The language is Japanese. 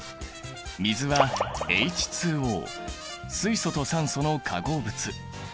水はＨＯ水素と酸素の化合物。